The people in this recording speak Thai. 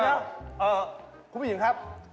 คุณผู้หญิงครับ